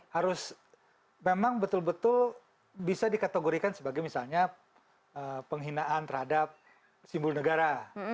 harus memang betul betul bisa dikategorikan sebagai misalnya penghinaan terhadap simbol negara